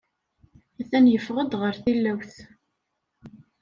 A-t-an yeffeɣ-d ɣer tilawt.